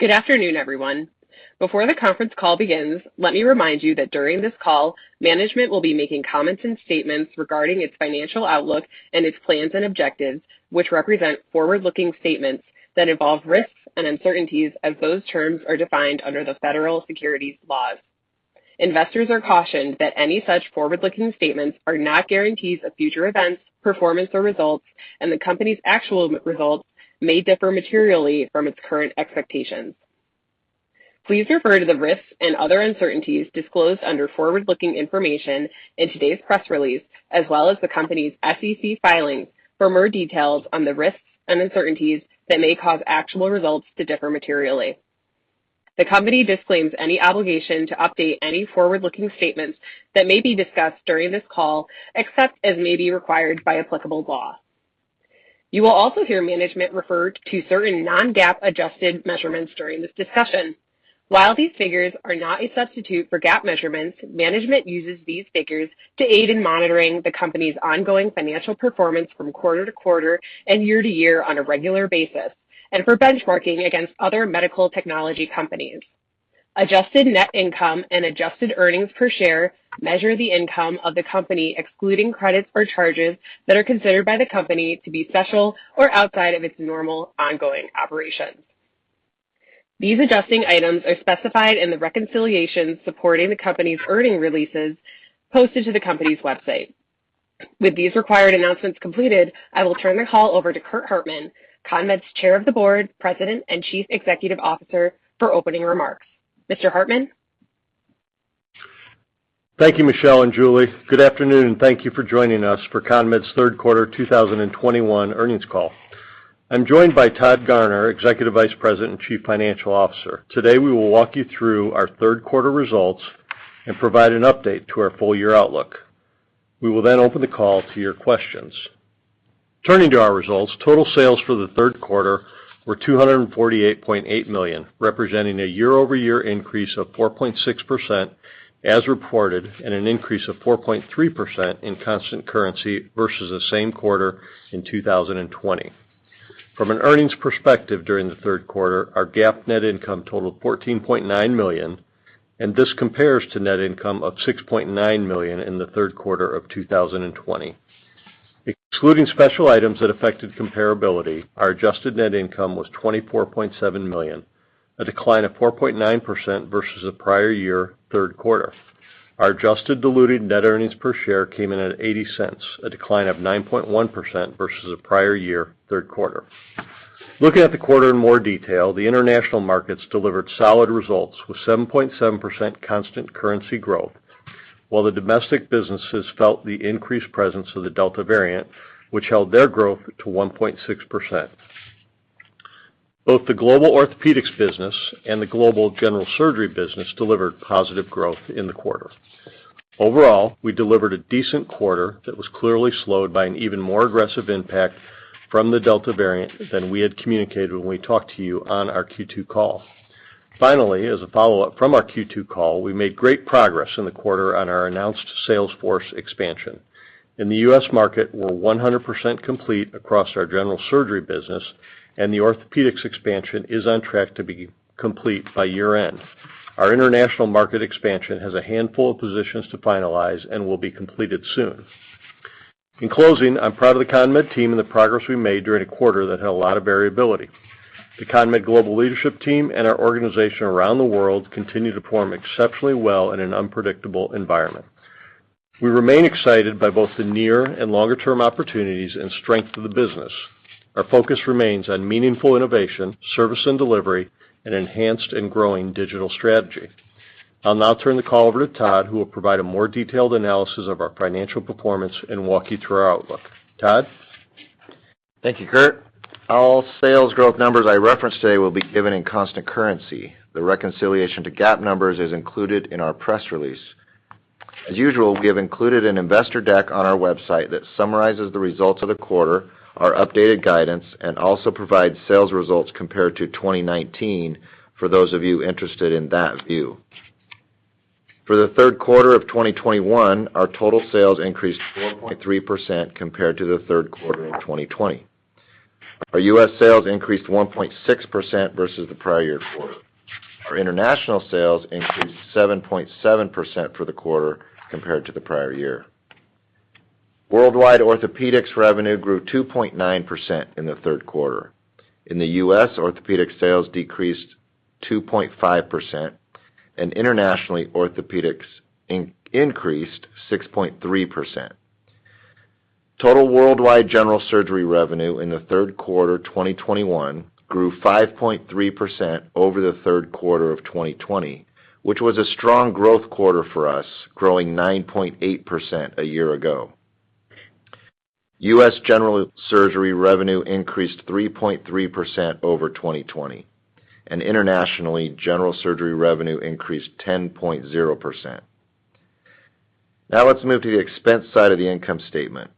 Good afternoon, everyone. Before the conference call begins, let me remind you that during this call, management will be making comments and statements regarding its financial outlook and its plans and objectives, which represent forward-looking statements that involve risks and uncertainties as those terms are defined under the federal securities laws. Investors are cautioned that any such forward-looking statements are not guarantees of future events, performance or results, and the company's actual results may differ materially from its current expectations. Please refer to the risks and other uncertainties disclosed under forward-looking information in today's press release, as well as the company's SEC filings for more details on the risks and uncertainties that may cause actual results to differ materially. The company disclaims any obligation to update any forward-looking statements that may be discussed during this call, except as may be required by applicable law. You will also hear management refer to certain non-GAAP adjusted measurements during this discussion. While these figures are not a substitute for GAAP measurements, management uses these figures to aid in monitoring the company's ongoing financial performance from quarter-to-quarter and year-to-year on a regular basis, and for benchmarking against other medical technology companies. Adjusted net income and adjusted earnings per share measure the income of the company, excluding credits or charges that are considered by the company to be special or outside of its normal ongoing operations. These adjusting items are specified in the reconciliation supporting the company's earnings releases posted to the company's website. With these required announcements completed, I will turn the call over to Curt R. Hartman, CONMED's Chair of the Board, President, and Chief Executive Officer, for opening remarks. Mr. Hartman? Thank you, Michelle and Julie. Good afternoon, and thank you for joining us for CONMED's third quarter 2021 earnings call. I'm joined by Todd Garner, Executive Vice President and Chief Financial Officer. Today, we will walk you through our third quarter results and provide an update to our full year outlook. We will then open the call to your questions. Turning to our results, total sales for the third quarter were $248.8 million, representing a year-over-year increase of 4.6% as reported, and an increase of 4.3% in constant currency versus the same quarter in 2020. From an earnings perspective during the third quarter, our GAAP net income totaled $14.9 million, and this compares to net income of $6.9 million in the third quarter of 2020. Excluding special items that affected comparability, our adjusted net income was $24.7 million, a decline of 4.9% versus the prior year third quarter. Our adjusted diluted net earnings per share came in at $0.80, a decline of 9.1% versus the prior year third quarter. Looking at the quarter in more detail, the international markets delivered solid results with 7.7% constant currency growth, while the domestic businesses felt the increased presence of the Delta variant, which held their growth to 1.6%. Both the global orthopedics business and the global general surgery business delivered positive growth in the quarter. Overall, we delivered a decent quarter that was clearly slowed by an even more aggressive impact from the Delta variant than we had communicated when we talked to you on our Q2 call. Finally, as a follow-up from our Q2 call, we made great progress in the quarter on our announced sales force expansion. In the U.S. market, we're 100% complete across our general surgery business, and the orthopedics expansion is on track to be complete by year-end. Our international market expansion has a handful of positions to finalize and will be completed soon. In closing, I'm proud of the CONMED team and the progress we made during a quarter that had a lot of variability. The CONMED global leadership team and our organization around the world continue to perform exceptionally well in an unpredictable environment. We remain excited by both the near and longer-term opportunities and strength of the business. Our focus remains on meaningful innovation, service and delivery, and enhanced and growing digital strategy. I'll now turn the call over to Todd, who will provide a more detailed analysis of our financial performance and walk you through our outlook. Todd? Thank you, Curt. All sales growth numbers I reference today will be given in constant currency. The reconciliation to GAAP numbers is included in our press release. As usual, we have included an Investor deck on our website that summarizes the results of the quarter, our updated guidance, and also provides sales results compared to 2019 for those of you interested in that view. For the third quarter of 2021, our total sales increased 4.3% compared to the third quarter of 2020. Our U.S. sales increased 1.6% versus the prior year quarter. Our international sales increased 7.7% for the quarter compared to the prior year. Worldwide orthopedics revenue grew 2.9% in the third quarter. In the U.S., orthopedic sales decreased 2.5%, and internationally, orthopedics increased 6.3%. Total worldwide general surgery revenue in the third quarter 2021 grew 5.3% over the third quarter of 2020, which was a strong growth quarter for us, growing 9.8% a year ago. U.S. general surgery revenue increased 3.3% over 2020, and internationally, general surgery revenue increased 10.0%. Now let's move to the expense side of the income statement.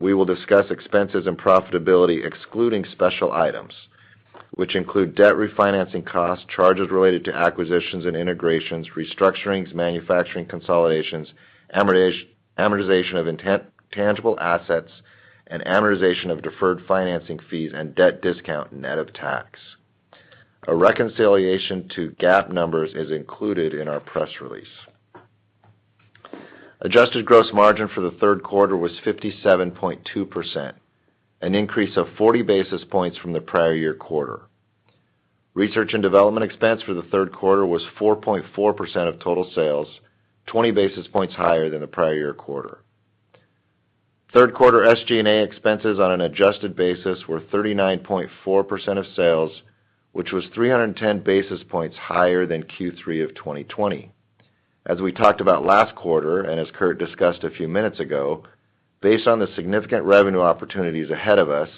We will discuss expenses and profitability excluding special items, which include debt refinancing costs, charges related to acquisitions and integrations, restructurings, manufacturing consolidations, amortization of intangible assets, and amortization of deferred financing fees and debt discount net of tax. A reconciliation to GAAP numbers is included in our press release. Adjusted gross margin for the third quarter was 57.2%, an increase of 40 basis points from the prior year quarter. Research and development expense for the third quarter was 4.4% of total sales, 20 basis points higher than the prior year quarter. Third quarter SG&A expenses on an adjusted basis were 39.4% of sales, which was 310 basis points higher than Q3 of 2020. As we talked about last quarter, and as Curt discussed a few minutes ago, based on the significant revenue opportunities ahead of us,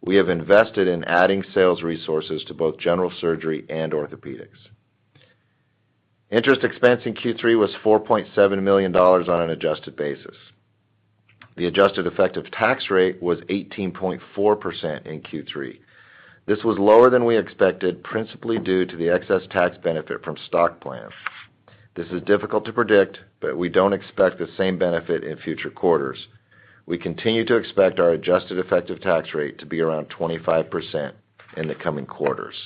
we have invested in adding sales resources to both general surgery and orthopedics. Interest expense in Q3 was $4.7 million on an adjusted basis. The adjusted effective tax rate was 18.4% in Q3. This was lower than we expected, principally due to the excess tax benefit from stock plan. This is difficult to predict, but we don't expect the same benefit in future quarters. We continue to expect our adjusted effective tax rate to be around 25% in the coming quarters.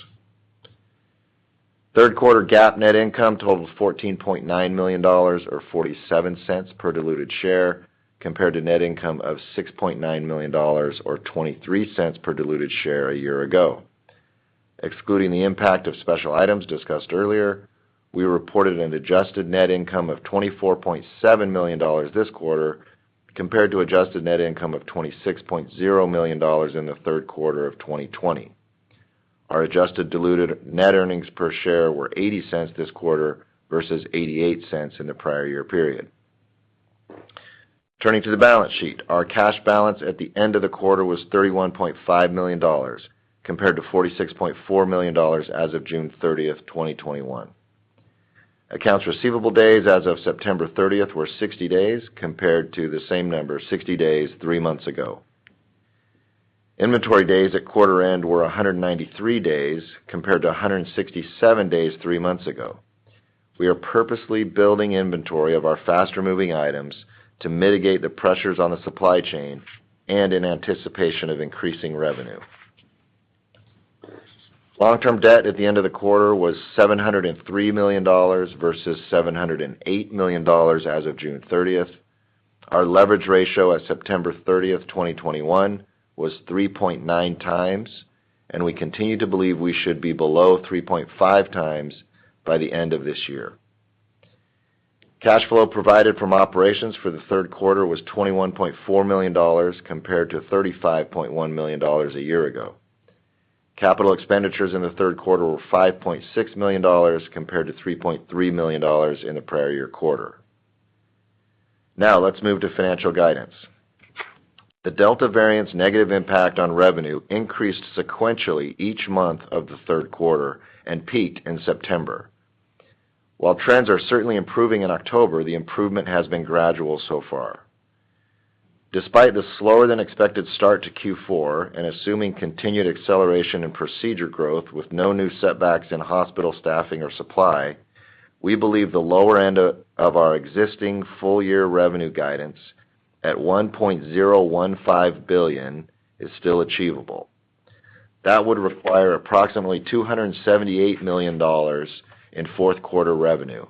Third quarter GAAP net income totaled $14.9 million, or $0.47 per diluted share compared to net income of $6.9 million or $0.23 per diluted share a year ago. Excluding the impact of special items discussed earlier, we reported an adjusted net income of $24.7 million this quarter, compared to adjusted net income of $26.0 million in the third quarter of 2020. Our adjusted diluted net earnings per share were $0.80 this quarter versus $0.88 in the prior year period. Turning to the balance sheet. Our cash balance at the end of the quarter was $31.5 million, compared to $46.4 million as of June 30th, 2021. Accounts receivable days as of September 30th were 60 days compared to the same number, 60 days, three months ago. Inventory days at quarter end were 193 days compared to 167 days three months ago. We are purposely building inventory of our faster moving items to mitigate the pressures on the supply chain and in anticipation of increasing revenue. Long-term debt at the end of the quarter was $703 million versus $708 million as of June 30th. Our leverage ratio as of September 30th, 2021 was 3.9x, and we continue to believe we should be below 3.5x by the end of this year. Cash flow provided from operations for the third quarter was $21.4 million, compared to $35.1 million a year ago. Capital expenditures in the third quarter were $5.6 million compared to $3.3 million in the prior year quarter. Now, let's move to financial guidance. The Delta variant negative impact on revenue increased sequentially each month of the third quarter and peaked in September. While trends are certainly improving in October, the improvement has been gradual so far. Despite the slower than expected start to Q4 and assuming continued acceleration in procedure growth with no new setbacks in hospital staffing or supply, we believe the lower end of our existing full-year revenue guidance at $1.015 billion is still achievable. That would require approximately $278 million in fourth quarter revenue,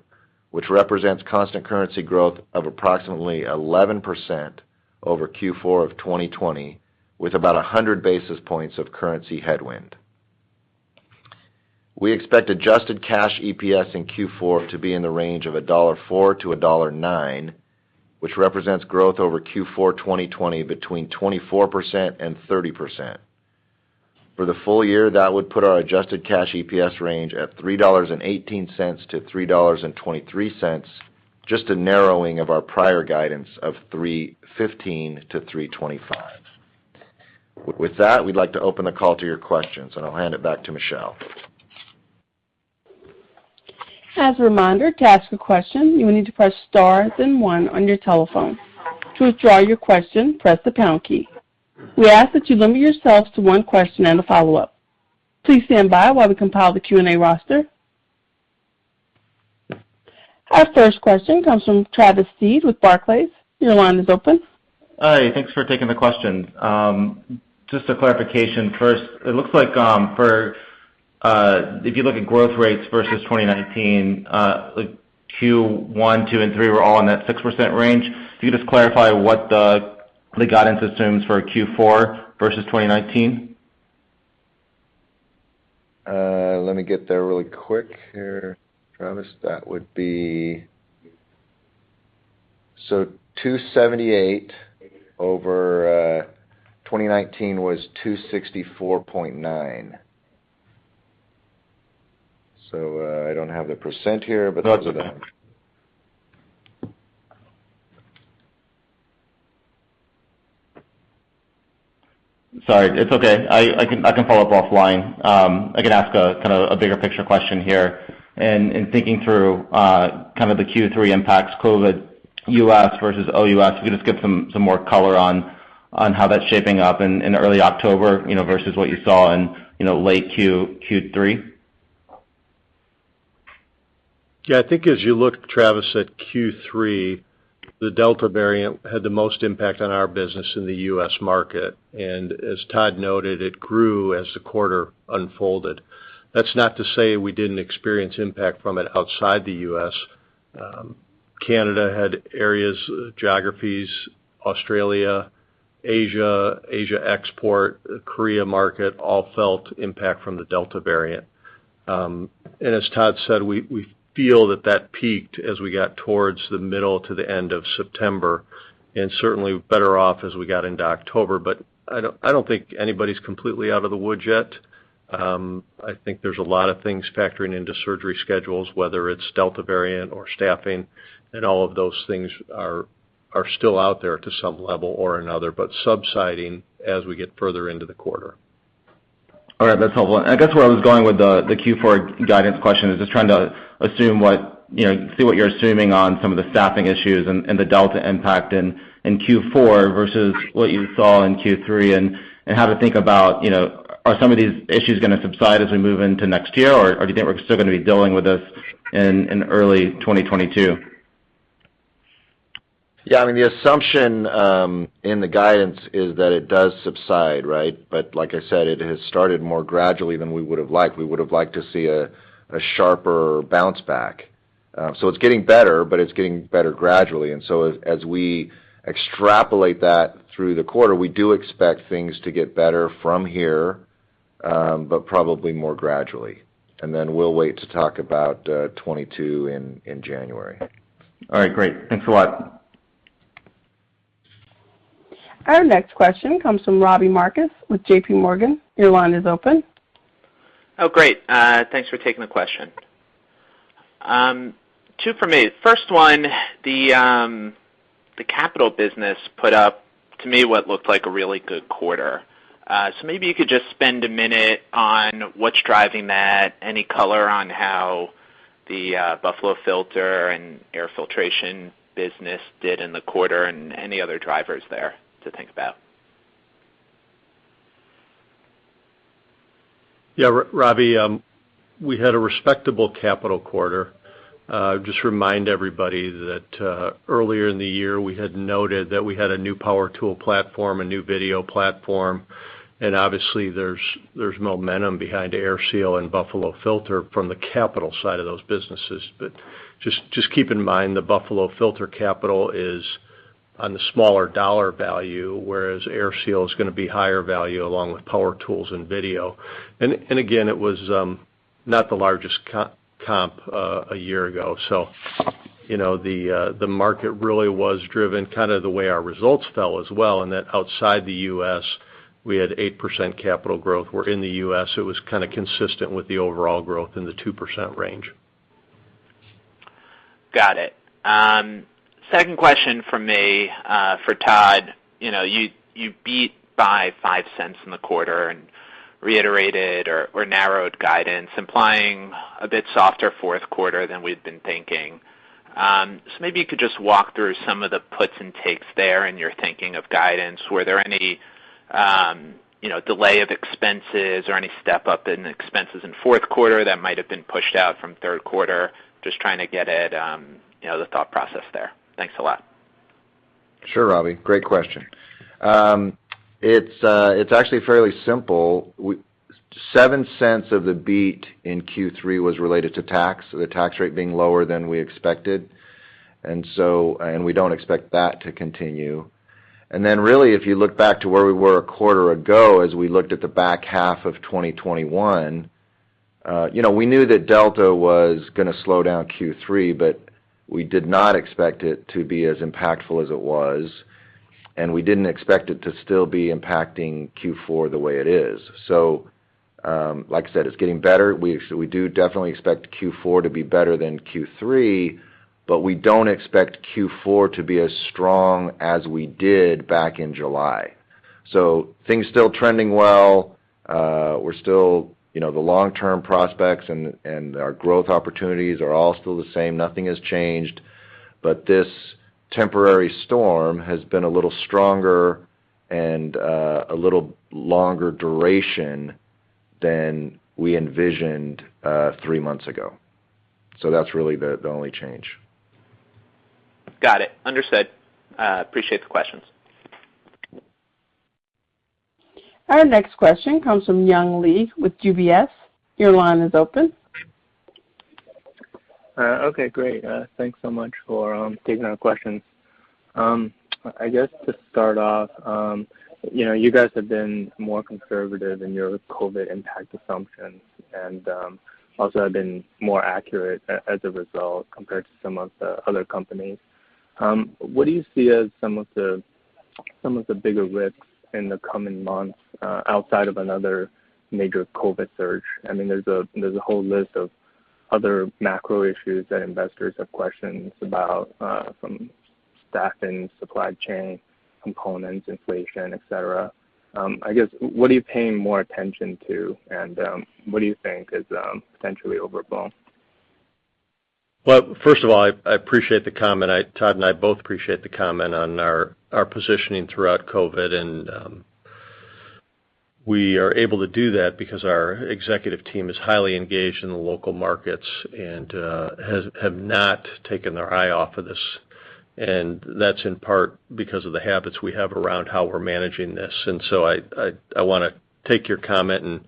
which represents constant currency growth of approximately 11% over Q4 of 2020, with about 100 basis points of currency headwind. We expect adjusted cash EPS in Q4 to be in the range of $1.04-$1.09, which represents growth over Q4 2020 between 24%-30%. For the full year, that would put our adjusted cash EPS range at $3.18-$3.23, just a narrowing of our prior guidance of $3.15-$3.25. With that, we'd like to open the call to your questions, and I'll hand it back to Michelle. As a reminder, to ask a question, you will need to press star then one on your telephone. To withdraw your question, press the pound key. We ask that you limit yourselves to one question and a follow-up. Please stand by while we compile the Q&A roster. Our first question comes from Travis Steed with Barclays. Your line is open. Hi, thanks for taking the question. Just a clarification first. It looks like if you look at growth rates versus 2019, like Q1, Q2, and Q3 were all in that 6% range. Can you just clarify what the guidance assumes for Q4 versus 2019? Let me get there really quick here, Travis. That would be $278 million over 2019 was $264.9 million. I don't have the percent here, but- No, that's okay. Sorry. It's okay. I can follow up offline. I can ask a kind of bigger picture question here. In thinking through kind of the Q3 impacts, COVID, US versus OUS, if you could just give some more color on how that's shaping up in early October, you know, versus what you saw in, you know, late Q3. Yeah. I think as you look, Travis, at Q3. The Delta variant had the most impact on our business in the U.S. market. As Todd noted, it grew as the quarter unfolded. That's not to say we didn't experience impact from it outside the U.S. Canada had areas, geographies, Australia, Asia export, Korea market all felt impact from the Delta variant. As Todd said, we feel that peaked as we got towards the middle to the end of September, and certainly better off as we got into October. I don't think anybody's completely out of the woods yet. I think there's a lot of things factoring into surgery schedules, whether it's Delta variant or staffing, and all of those things are still out there to some level or another, but subsiding as we get further into the quarter. All right. That's helpful. I guess where I was going with the Q4 guidance question is just trying to assume what, you know, see what you're assuming on some of the staffing issues and the Delta impact in Q4 versus what you saw in Q3, and how to think about, you know, are some of these issues gonna subside as we move into next year, or do you think we're still gonna be dealing with this in early 2022? Yeah. I mean, the assumption in the guidance is that it does subside, right? Like I said, it has started more gradually than we would've liked. We would've liked to see a sharper bounce back. It's getting better, but it's getting better gradually. As we extrapolate that through the quarter, we do expect things to get better from here, but probably more gradually. Then we'll wait to talk about 2022 in January. All right. Great. Thanks a lot. Our next question comes from Robbie Marcus with JPMorgan. Your line is open. Oh, great. Thanks for taking the question. Two for me. First one, the capital business put up, to me, what looked like a really good quarter. Maybe you could just spend a minute on what's driving that, any color on how the Buffalo Filter and air filtration business did in the quarter and any other drivers there to think about. Yeah. Robbie, we had a respectable capital quarter. Just remind everybody that earlier in the year, we had noted that we had a new power tool platform, a new video platform, and obviously, there's momentum behind AirSeal and Buffalo Filter from the capital side of those businesses. But just keep in mind the Buffalo Filter capital is on the smaller dollar value, whereas AirSeal is gonna be higher value along with power tools and video. Again, it was not the largest comp a year ago. You know, the market really was driven kind of the way our results fell as well, and that outside the U.S., we had 8% capital growth, while in the U.S., it was kind of consistent with the overall growth in the 2% range. Got it. Second question from me for Todd. You know, you beat by $0.05 in the quarter and reiterated or narrowed guidance, implying a bit softer fourth quarter than we've been thinking. Maybe you could just walk through some of the puts and takes there in your thinking of guidance. Were there any, you know, delay of expenses or any step up in expenses in fourth quarter that might have been pushed out from third quarter? Just trying to get at, you know, the thought process there. Thanks a lot. Sure, Robbie. Great question. It's actually fairly simple. $0.07 of the beat in Q3 was related to tax, the tax rate being lower than we expected. We don't expect that to continue. Really, if you look back to where we were a quarter ago as we looked at the back half of 2021, you know, we knew that Delta was gonna slow down Q3, but we did not expect it to be as impactful as it was, and we didn't expect it to still be impacting Q4 the way it is. Like I said, it's getting better. We do definitely expect Q4 to be better than Q3, but we don't expect Q4 to be as strong as we did back in July. Things still trending well. We're still, you know, the long-term prospects and our growth opportunities are all still the same. Nothing has changed. This temporary storm has been a little stronger and a little longer duration than we envisioned three months ago. That's really the only change. Got it. Understood. Appreciate the questions. Our next question comes from Young Li with UBS. Your line is open. Okay. Great. Thanks so much for taking our questions. I guess to start off, you know, you guys have been more conservative in your COVID impact assumptions and also have been more accurate as a result compared to some of the other companies. What do you see as some of the bigger risks in the coming months outside of another major COVID surge? I mean, there's a whole list of other macro issues that investors have questions about, from staffing, supply chain components, inflation, et cetera. I guess, what are you paying more attention to, and what do you think is potentially overblown? Well, first of all, I appreciate the comment. Todd and I both appreciate the comment on our positioning throughout COVID. We are able to do that because our executive team is highly engaged in the local markets and have not taken their eye off of this. That's in part because of the habits we have around how we're managing this. I wanna take your comment and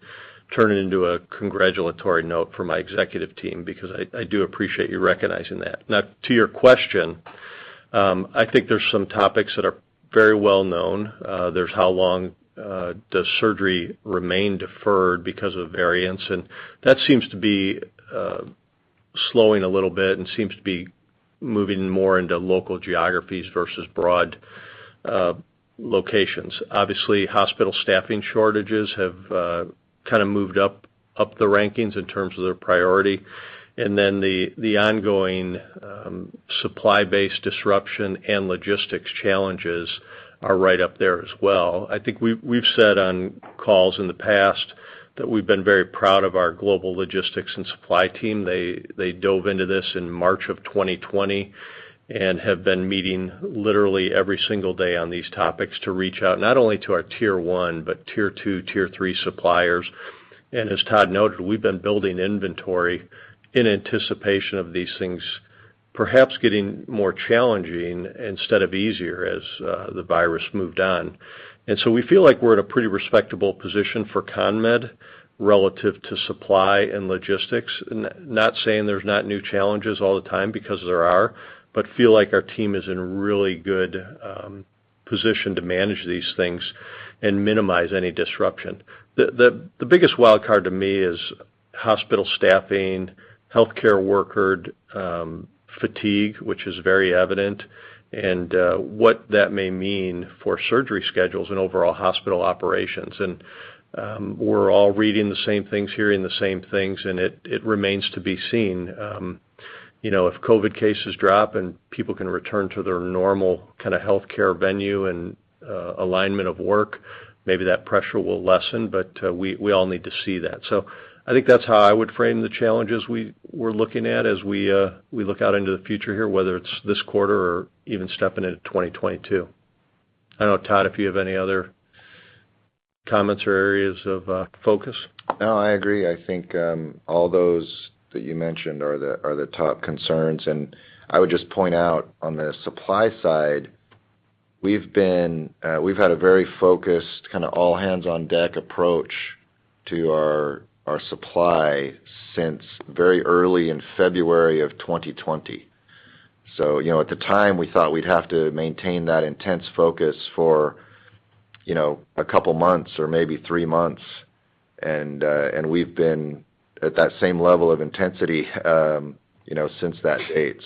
turn it into a congratulatory note for my executive team because I do appreciate you recognizing that. Now to your question, I think there's some topics that are very well known. There's how long does surgery remain deferred because of variants, and that seems to be slowing a little bit and seems to be moving more into local geographies versus broad locations. Obviously, hospital staffing shortages have kind of moved up the rankings in terms of their priority. Then the ongoing supply-based disruption and logistics challenges are right up there as well. I think we've said on calls in the past that we've been very proud of our global logistics and supply team. They dove into this in March of 2020 and have been meeting literally every single day on these topics to reach out not only to our Tier 1, but Tier 2, Tier 3 suppliers. As Todd noted, we've been building inventory in anticipation of these things, perhaps getting more challenging instead of easier as the virus moved on. We feel like we're in a pretty respectable position for CONMED relative to supply and logistics. Not saying there's not new challenges all the time because there are, but I feel like our team is in a really good position to manage these things and minimize any disruption. The biggest wildcard to me is hospital staffing, healthcare worker fatigue, which is very evident, and what that may mean for surgery schedules and overall hospital operations. We're all reading the same things, hearing the same things, and it remains to be seen. You know, if COVID cases drop and people can return to their normal kind of healthcare venue and alignment of work, maybe that pressure will lessen, but we all need to see that. I think that's how I would frame the challenges we're looking at as we look out into the future here, whether it's this quarter or even stepping into 2022. I don't know, Todd, if you have any other comments or areas of focus. No, I agree. I think all those that you mentioned are the top concerns. I would just point out on the supply side, we've had a very focused kind of all hands on deck approach to our supply since very early in February of 2020. You know, at the time, we thought we'd have to maintain that intense focus for you know, a couple months or maybe three months. We've been at that same level of intensity you know, since that date.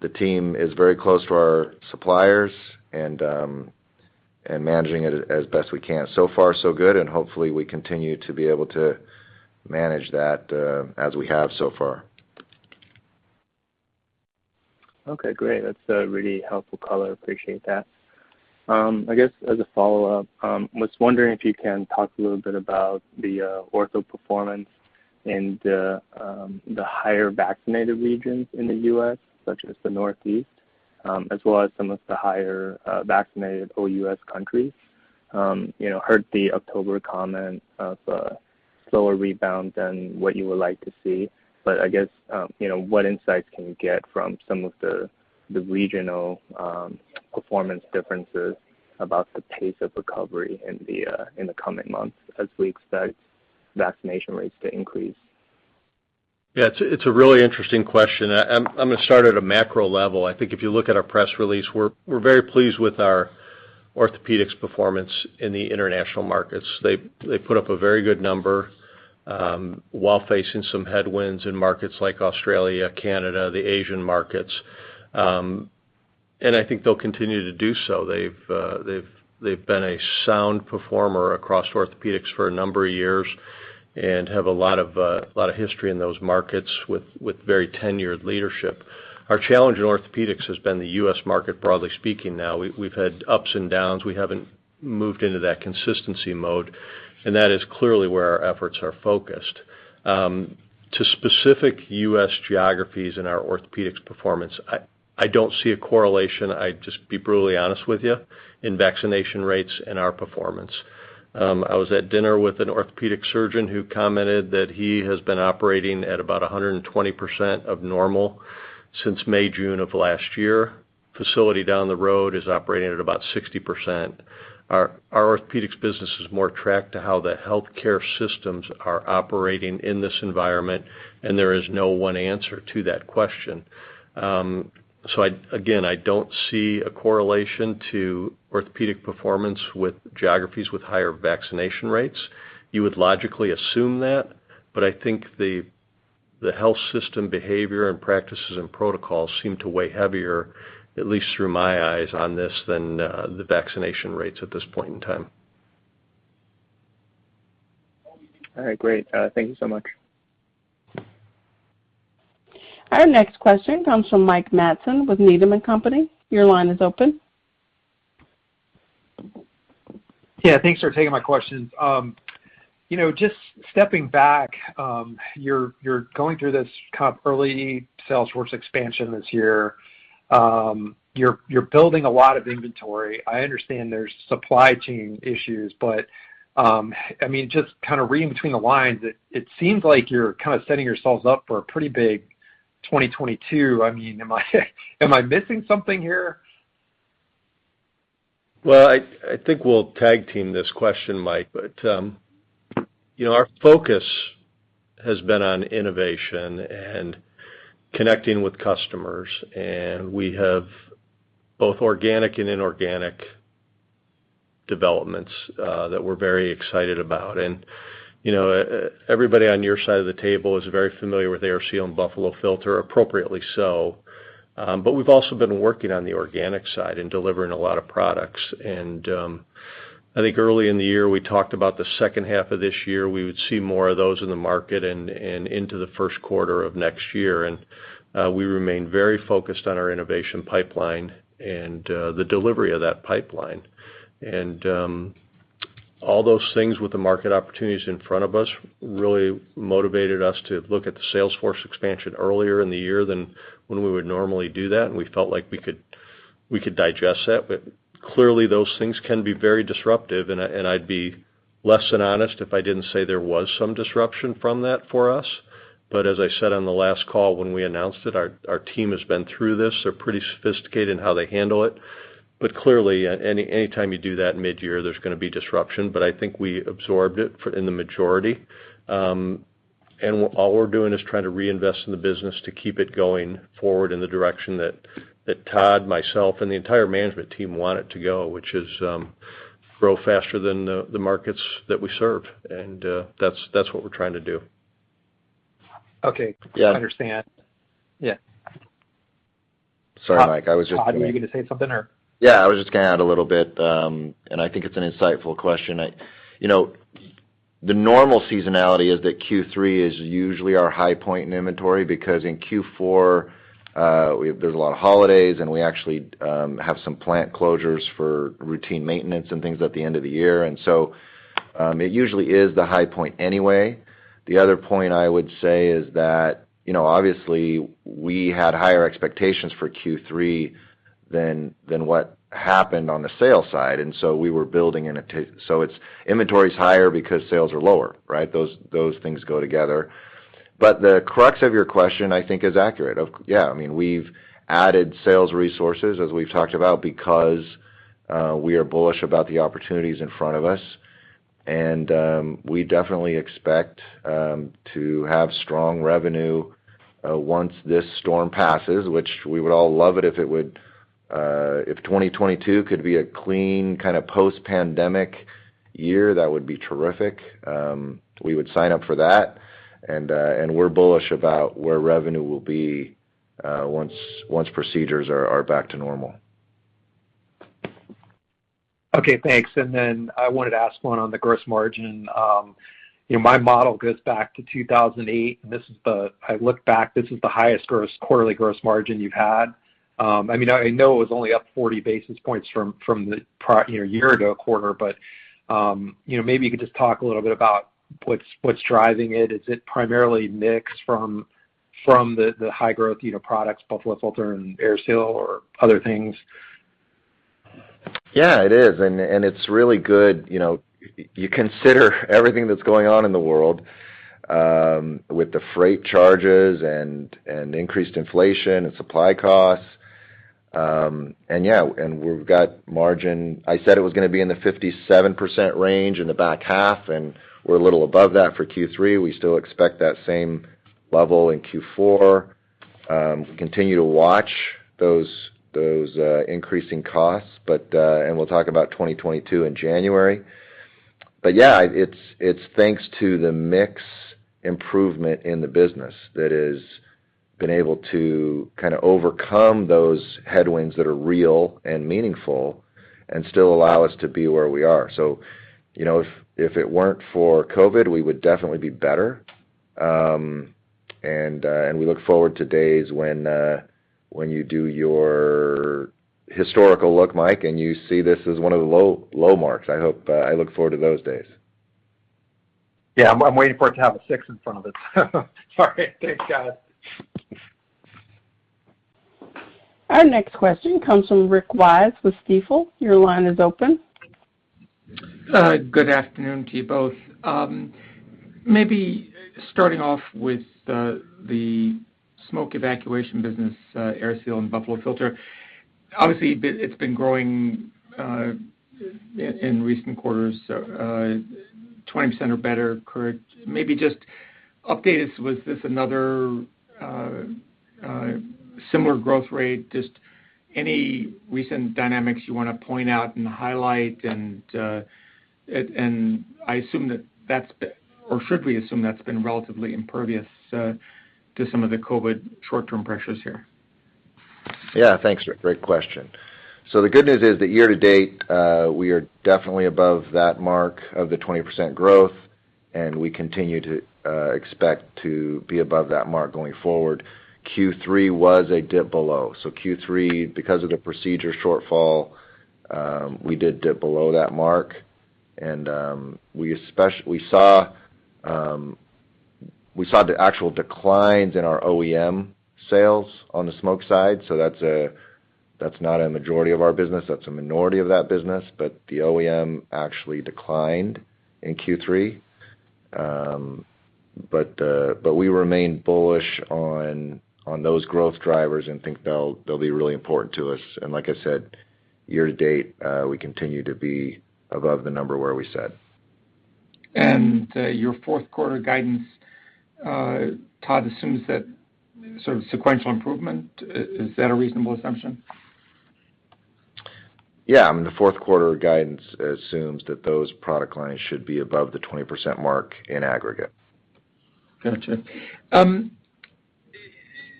The team is very close to our suppliers and managing it as best we can. So far so good, and hopefully we continue to be able to manage that as we have so far. Okay, great. That's a really helpful color. Appreciate that. I guess as a follow-up, was wondering if you can talk a little bit about the ortho performance in the higher vaccinated regions in the U.S., such as the Northeast, as well as some of the higher vaccinated OUS countries. You know, heard the October comment of a slower rebound than what you would like to see. But I guess, you know, what insights can you get from some of the the regional performance differences about the pace of recovery in the coming months as we expect vaccination rates to increase? Yeah, it's a really interesting question. I'm gonna start at a macro level. I think if you look at our press release, we're very pleased with our orthopedics performance in the international markets. They put up a very good number, while facing some headwinds in markets like Australia, Canada, the Asian markets. I think they'll continue to do so. They've been a sound performer across orthopedics for a number of years and have a lot of history in those markets with very tenured leadership. Our challenge in orthopedics has been the U.S. market, broadly speaking now. We've had ups and downs. We haven't moved into that consistency mode, and that is clearly where our efforts are focused. To specific U.S. geographies in our orthopedics performance, I don't see a correlation. I'd just be brutally honest with you in vaccination rates and our performance. I was at dinner with an orthopedic surgeon who commented that he has been operating at about 100% of normal since May, June of last year. A facility down the road is operating at about 60%. Our orthopedics business is more tracked to how the healthcare systems are operating in this environment, and there is no one answer to that question. Again, I don't see a correlation to orthopedic performance with geographies with higher vaccination rates. You would logically assume that, but I think the health system behavior and practices and protocols seem to weigh heavier, at least through my eyes on this, than the vaccination rates at this point in time. All right, great. Thank you so much. Our next question comes from Mike Matson with Needham & Company. Your line is open. Yeah, thanks for taking my questions. You know, just stepping back, you're going through this kind of early sales force expansion this year. You're building a lot of inventory. I understand there's supply chain issues, but I mean, just kind of reading between the lines, it seems like you're kind of setting yourselves up for a pretty big 2022. I mean, am I missing something here? I think we'll tag team this question, Mike. Our focus has been on innovation and connecting with customers, and we have both organic and inorganic developments that we're very excited about. You know, everybody on your side of the table is very familiar with AirSeal and Buffalo Filter, appropriately so. We've also been working on the organic side and delivering a lot of products. I think early in the year, we talked about the second half of this year we would see more of those in the market and into the first quarter of next year. We remain very focused on our innovation pipeline and the delivery of that pipeline. All those things with the market opportunities in front of us really motivated us to look at the sales force expansion earlier in the year than when we would normally do that, and we felt like we could digest that. Clearly, those things can be very disruptive, and I'd be less than honest if I didn't say there was some disruption from that for us. As I said on the last call when we announced it, our team has been through this. They're pretty sophisticated in how they handle it. Clearly, anytime you do that mid-year, there's gonna be disruption. I think we absorbed it in the majority. All we're doing is trying to reinvest in the business to keep it going forward in the direction that Todd, myself, and the entire management team want it to go, which is, grow faster than the markets that we serve. That's what we're trying to do. Okay. Yeah. I understand. Yeah. Sorry, Mike, I was just gonna. Todd, were you gonna say something or? Yeah, I was just gonna add a little bit, and I think it's an insightful question. You know, the normal seasonality is that Q3 is usually our high point in inventory because in Q4, there's a lot of holidays, and we actually have some plant closures for routine maintenance and things at the end of the year. It usually is the high point anyway. The other point I would say is that, you know, obviously, we had higher expectations for Q3 than what happened on the sales side, and so we were building. Inventory is higher because sales are lower, right? Those things go together. The crux of your question, I think, is accurate. Yeah. I mean, we've added sales resources, as we've talked about, because we are bullish about the opportunities in front of us. We definitely expect to have strong revenue once this storm passes, which we would all love it if it would if 2022 could be a clean, kind of, post-pandemic year, that would be terrific. We would sign up for that. We're bullish about where revenue will be once procedures are back to normal. Okay, thanks. I wanted to ask one on the gross margin. You know, my model goes back to 2008, and I look back, this is the highest quarterly gross margin you've had. I mean, I know it was only up 40 basis points from the year-ago quarter. You know, maybe you could just talk a little bit about what's driving it. Is it primarily mix from the high growth products, Buffalo Filter and AirSeal or other things? Yeah, it is. It's really good. You know, you consider everything that's going on in the world, with the freight charges and increased inflation and supply costs. We've got margin. I said it was gonna be in the 57% range in the back half, and we're a little above that for Q3. We still expect that same level in Q4. Continue to watch those increasing costs, but, and we'll talk about 2022 in January. Yeah, it's thanks to the mix improvement in the business that has been able to kinda overcome those headwinds that are real and meaningful and still allow us to be where we are. You know, if it weren't for COVID, we would definitely be better. We look forward to days when you do your historical look, Mike, and you see this as one of the low marks. I hope. I look forward to those days. Yeah, I'm waiting for it to have a six in front of it. Sorry. Thanks, guys. Our next question comes from Rick Wise with Stifel. Your line is open. Good afternoon to you both. Maybe starting off with the smoke evacuation business, AirSeal and Buffalo Filter. Obviously, it's been growing in recent quarters, 20% or better, correct? Maybe just update us, was this another similar growth rate? Just any recent dynamics you wanna point out and highlight? I assume, or should we assume, that's been relatively impervious to some of the COVID short-term pressures here? Yeah. Thanks, Rick. Great question. The good news is that year-to-date, we are definitely above that mark of the 20% growth, and we continue to expect to be above that mark going forward. Q3 was a dip below. Q3, because of the procedure shortfall. We did dip below that mark, and we saw the actual declines in our OEM sales on the smoke side. That's not a majority of our business, that's a minority of that business. The OEM actually declined in Q3. We remain bullish on those growth drivers and think they'll be really important to us. Like I said, year-to-date, we continue to be above the number where we said. Your fourth quarter guidance, Todd, assumes that sort of sequential improvement. Is that a reasonable assumption? Yeah. I mean, the fourth quarter guidance assumes that those product lines should be above the 20% mark in aggregate. Gotcha.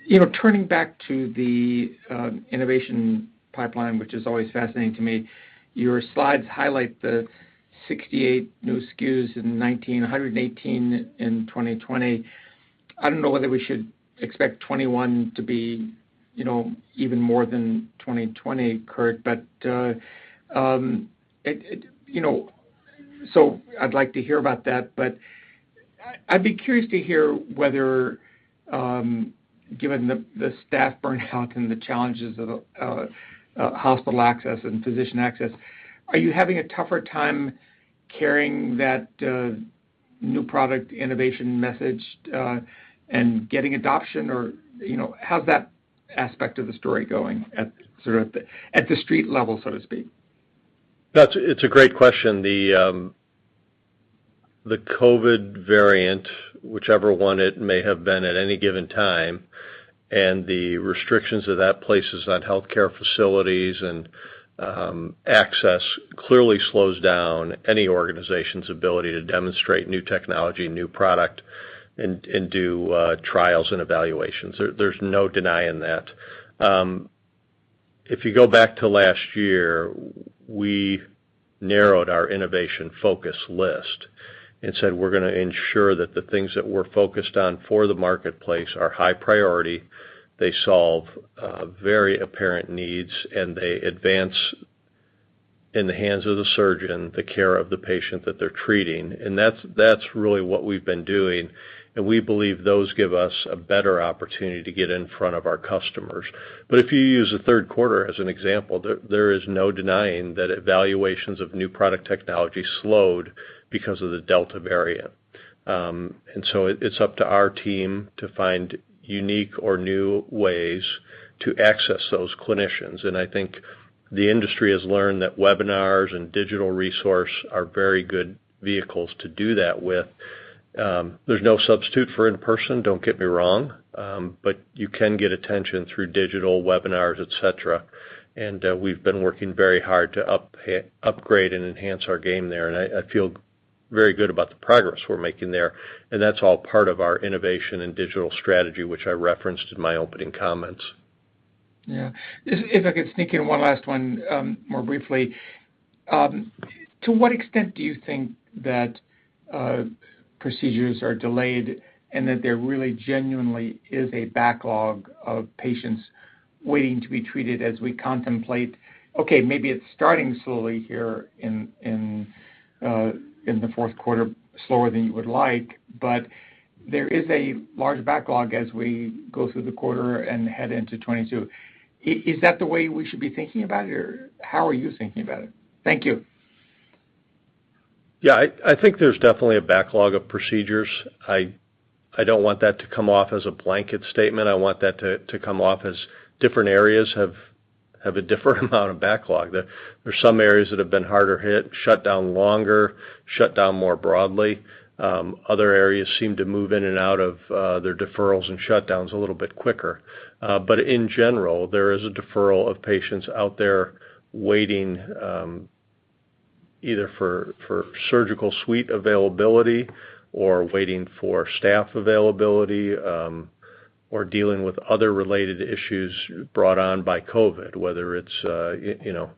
You know, turning back to the innovation pipeline, which is always fascinating to me, your slides highlight the 68 new SKUs in 2019, 118 in 2020. I don't know whether we should expect 2021 to be, you know, even more than 2020, Curt. I'd like to hear about that, but I'd be curious to hear whether, given the staff burnout and the challenges of hospital access and physician access, are you having a tougher time carrying that new product innovation message and getting adoption? Or, you know, how's that aspect of the story going at sort of the street level, so to speak? It's a great question. The COVID variant, whichever one it may have been at any given time, and the restrictions that that places on healthcare facilities and access clearly slows down any organization's ability to demonstrate new technology, new product and do trials and evaluations. There's no denying that. If you go back to last year, we narrowed our innovation focus list and said, we're gonna ensure that the things that we're focused on for the marketplace are high priority, they solve very apparent needs, and they advance, in the hands of the surgeon, the care of the patient that they're treating. That's really what we've been doing, and we believe those give us a better opportunity to get in front of our customers. If you use the third quarter as an example, there is no denying that evaluations of new product technology slowed because of the Delta variant. It's up to our team to find unique or new ways to access those clinicians. I think the industry has learned that webinars and digital resource are very good vehicles to do that with. There's no substitute for in-person, don't get me wrong, but you can get attention through digital webinars, et cetera. We've been working very hard to upgrade and enhance our game there, and I feel very good about the progress we're making there. That's all part of our innovation and digital strategy, which I referenced in my opening comments. Yeah. If I could sneak in one last one, more briefly. To what extent do you think that procedures are delayed and that there really genuinely is a backlog of patients waiting to be treated as we contemplate, okay, maybe it's starting slowly here in the fourth quarter, slower than you would like, but there is a large backlog as we go through the quarter and head into 2022. Is that the way we should be thinking about it, or how are you thinking about it? Thank you. Yeah. I think there's definitely a backlog of procedures. I don't want that to come off as a blanket statement. I want that to come off as different areas have a different amount of backlog. There's some areas that have been harder hit, shut down longer, shut down more broadly. Other areas seem to move in and out of their deferrals and shutdowns a little bit quicker. In general, there is a deferral of patients out there waiting either for surgical suite availability or waiting for staff availability, or dealing with other related issues brought on by COVID, whether it's you know,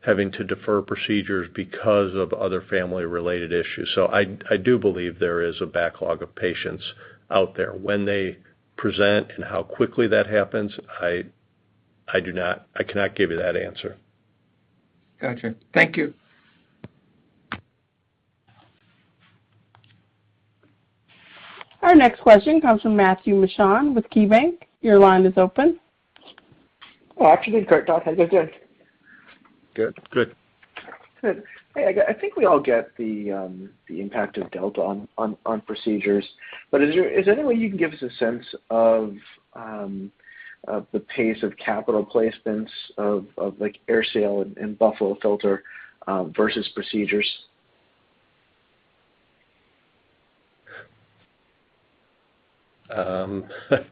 having to defer procedures because of other family-related issues. I do believe there is a backlog of patients out there. When they present and how quickly that happens, I cannot give you that answer. Gotcha. Thank you. Our next question comes from Matthew Mishan with KeyBanc. Your line is open. Oh, afternoon, Curt, Todd. How you guys doing? Good. Good. Good. Hey, I think we all get the impact of Delta on procedures. Is there any way you can give us a sense of the pace of capital placements of like AirSeal and Buffalo Filter versus procedures? The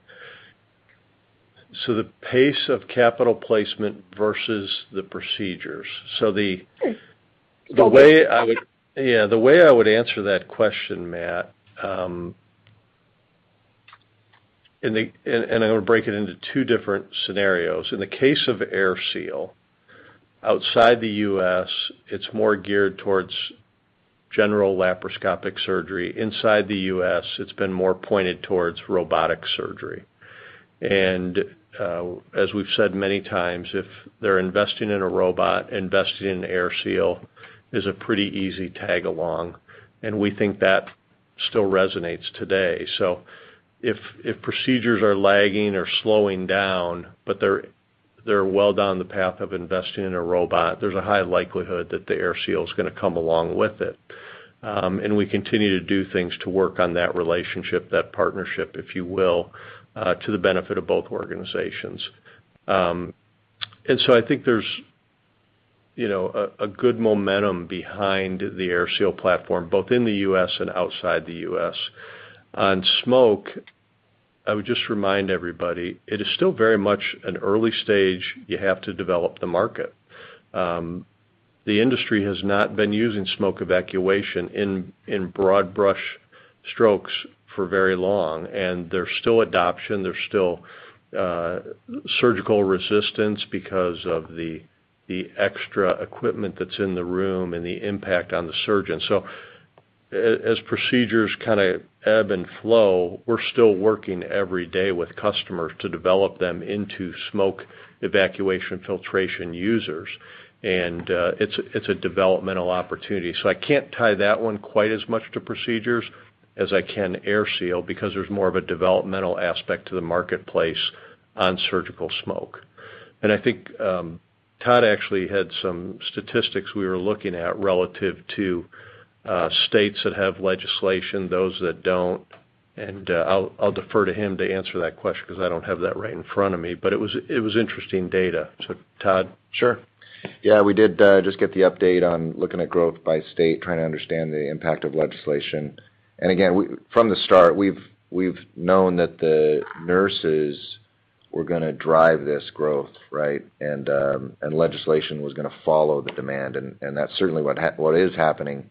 pace of capital placement versus the procedures. Mm-hmm. So the- Delta. The way I would answer that question, Matt, and I'm gonna break it into two different scenarios. In the case of AirSeal, outside the U.S., it's more geared towards general laparoscopic surgery. Inside the U.S., it's been more pointed towards robotic surgery. As we've said many times, if they're investing in a robot, investing in AirSeal is a pretty easy tag along, and we think that still resonates today. If procedures are lagging or slowing down, but they're well down the path of investing in a robot, there's a high likelihood that the AirSeal is gonna come along with it. We continue to do things to work on that relationship, that partnership, if you will, to the benefit of both organizations. I think there's, you know, a good momentum behind the AirSeal platform, both in the U.S. and outside the U.S. On smoke, I would just remind everybody, it is still very much an early stage. You have to develop the market. The industry has not been using smoke evacuation in broad brush strokes for very long, and there's still adoption and surgical resistance because of the extra equipment that's in the room and the impact on the surgeon. As procedures kinda ebb and flow, we're still working every day with customers to develop them into smoke evacuation filtration users. It's a developmental opportunity. I can't tie that one quite as much to procedures as I can AirSeal because there's more of a developmental aspect to the marketplace on surgical smoke. I think, Todd actually had some statistics we were looking at relative to, states that have legislation, those that don't, and, I'll defer to him to answer that question 'cause I don't have that right in front of me, but it was interesting data. So Todd? Sure. Yeah, we did just get the update on looking at growth by state, trying to understand the impact of legislation. Again, from the start, we've known that the nurses were gonna drive this growth, right? Legislation was gonna follow the demand, and that's certainly what is happening.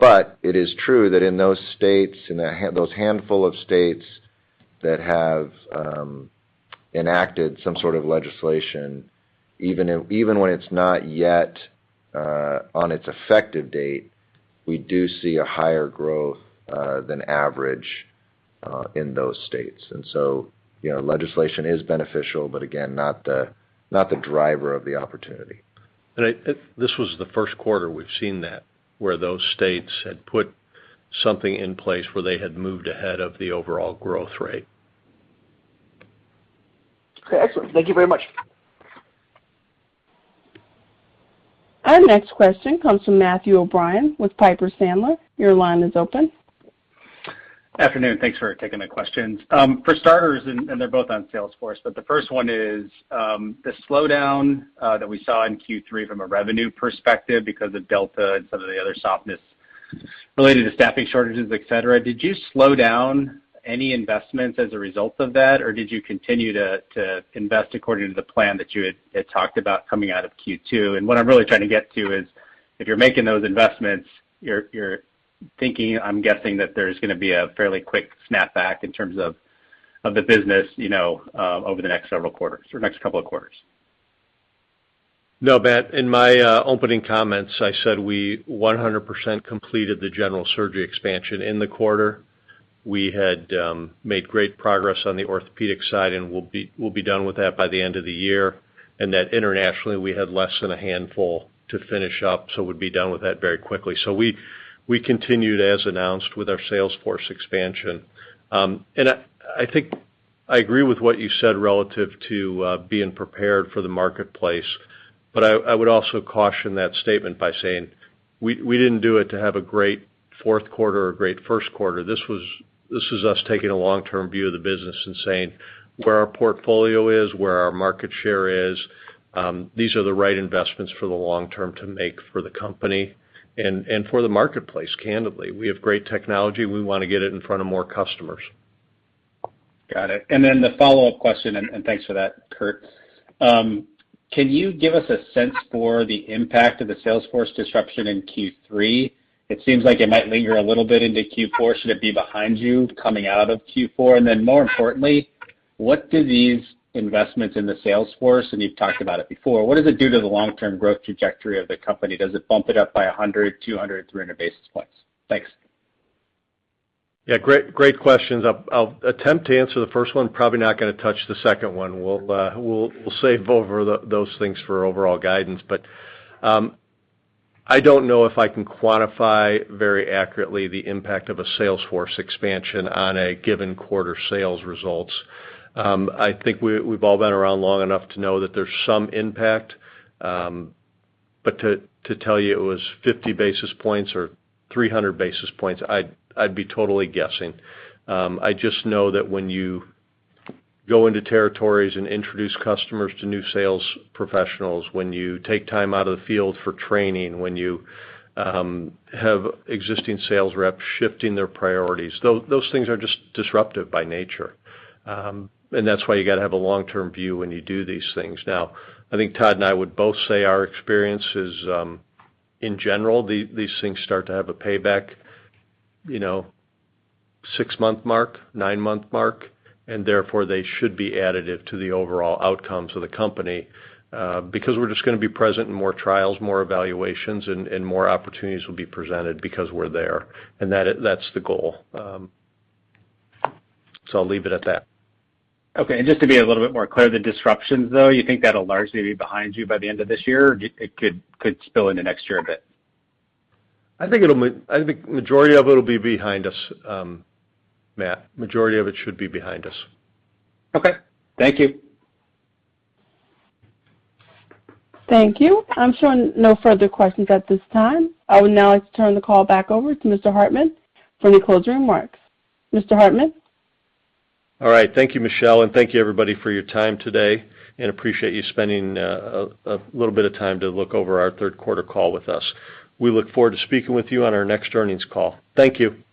It is true that in those states, those handful of states that have enacted some sort of legislation, even when it's not yet on its effective date, we do see a higher growth than average in those states. You know, legislation is beneficial, but again, not the driver of the opportunity. This was the first quarter we've seen that, where those states had put something in place where they had moved ahead of the overall growth rate. Okay, excellent. Thank you very much. Our next question comes from Matthew O'Brien with Piper Sandler. Your line is open. Afternoon. Thanks for taking the questions. For starters, and they're both on sales force, but the first one is, the slowdown that we saw in Q3 from a revenue perspective because of Delta and some of the other softness related to staffing shortages, et cetera, did you slow down any investments as a result of that, or did you continue to invest according to the plan that you had talked about coming out of Q2? What I'm really trying to get to is, if you're making those investments, you're thinking, I'm guessing, that there's gonna be a fairly quick snap back in terms of the business, you know, over the next several quarters or next couple of quarters. No, Matt. In my opening comments, I said we 100% completed the general surgery expansion in the quarter. We had made great progress on the orthopedic side, and we'll be done with that by the end of the year. That internationally, we had less than a handful to finish up, so we'd be done with that very quickly. We continued as announced with our sales force expansion. I think I agree with what you said relative to being prepared for the marketplace, but I would also caution that statement by saying we didn't do it to have a great fourth quarter or great first quarter. This was us taking a long-term view of the business and saying, where our portfolio is, where our market share is, these are the right investments for the long term to make for the company and for the marketplace, candidly. We have great technology, we wanna get it in front of more customers. Got it. The follow-up question, and thanks for that, Curt. Can you give us a sense for the impact of the sales force disruption in Q3? It seems like it might linger a little bit into Q4. Should it be behind you coming out of Q4? More importantly, what do these investments in the sales force, and you've talked about it before, what does it do to the long-term growth trajectory of the company? Does it bump it up by 100 basis points, 200 basis points, 300 basis points? Thanks. Yeah, great questions. I'll attempt to answer the first one, probably not gonna touch the second one. We'll save over those things for overall guidance. I don't know if I can quantify very accurately the impact of a sales force expansion on a given quarter sales results. I think we've all been around long enough to know that there's some impact. To tell you it was 50 basis points or 300 basis points, I'd be totally guessing. I just know that when you go into territories and introduce customers to new sales professionals, when you take time out of the field for training, when you have existing sales reps shifting their priorities, those things are just disruptive by nature. That's why you gotta have a long-term view when you do these things. Now, I think Todd and I would both say our experience is, in general, these things start to have a payback, you know, six-month mark, nine-month mark, and therefore, they should be additive to the overall outcomes of the company, because we're just gonna be present in more trials, more evaluations, and more opportunities will be presented because we're there. That's the goal. I'll leave it at that. Okay. Just to be a little bit more clear, the disruptions, though, you think that'll largely be behind you by the end of this year, or it could spill into next year a bit? I think majority of it'll be behind us, Matt. Majority of it should be behind us. Okay. Thank you. Thank you. I'm showing no further questions at this time. I would now like to turn the call back over to Mr. Hartman for any closing remarks. Mr. Hartman? All right. Thank you, Michelle, and thank you everybody for your time today and appreciate you spending a little bit of time to look over our third quarter call with us. We look forward to speaking with you on our next earnings call. Thank you.